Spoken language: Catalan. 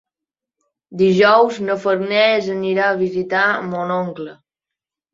Dijous na Farners anirà a visitar mon oncle.